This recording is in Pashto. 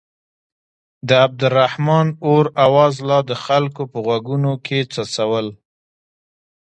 د عبدالرحمن اور اواز لا د خلکو په غوږونو کې څڅول.